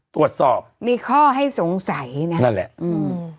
ตรวจสอบมีข้อให้สงสัยนะนั่นแหละอืม